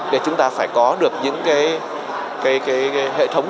để chúng ta phải có được những hệ thống